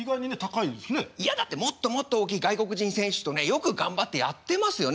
いやだってもっともっと大きい外国人選手とねよく頑張ってやってますよね